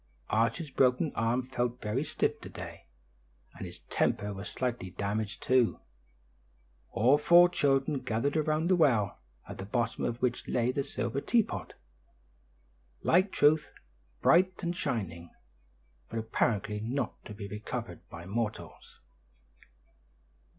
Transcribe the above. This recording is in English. Archie's broken arm felt very stiff to day, and his temper was slightly damaged, too. All four children gathered around the well, at the bottom of which lay the silver teapot, like truth, bright and shining, but apparently not to be recovered by mortals.